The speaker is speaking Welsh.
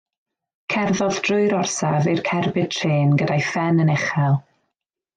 Cerddodd drwy'r orsaf i'r cerbyd trên gyda'i phen yn uchel.